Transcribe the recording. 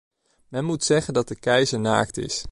Men moet zeggen dat de keizer naakt is!